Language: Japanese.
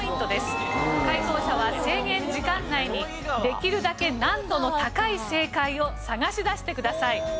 解答者は制限時間内にできるだけ難度の高い正解を探し出してください。